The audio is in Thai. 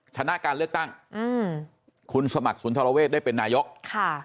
ชนะการเลือกตั้งอืมคุณสมัครสุนทรเวทได้เป็นนายกค่ะ